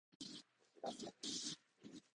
お知らせ